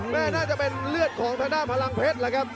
แม่น่าจะเป็นเลือดของท่านาพลังเพชรเลยครับ